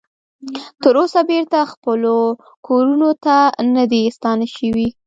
تر اوسه بیرته خپلو کورونو ته نه دې ستانه شوي